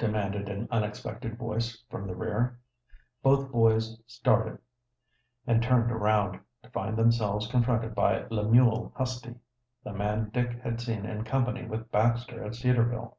demanded an unexpected voice from the rear. Both boys started and turned around, to find themselves confronted by Lemuel Husty, the man Dick had seen in company with Baxter at Cedarville.